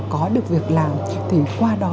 có được việc làm thì qua đó